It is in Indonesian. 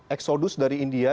exodus dari india